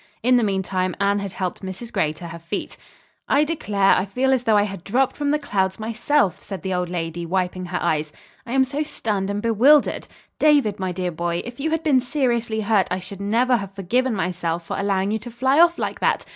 In the meantime Anne had helped Mrs. Gray to her feet. "I declare, I feel as though I had dropped from the clouds myself," said the old lady, wiping her eyes. "I am so stunned and bewildered. David, my dear boy, if you had been seriously hurt I should never have forgiven myself for allowing you to fly off like that.